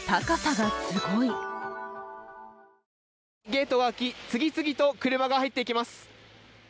ゲート脇、次々と車が入っていきます。